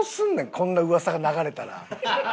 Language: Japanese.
こんな噂が流れたら。